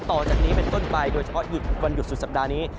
ต่อจากนี้เป็นต้นไปโดยเฉพาะหยุดวันหยุดสุดสัปดาห์นี้